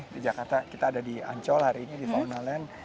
kita ada di ancol hari ini di fauna land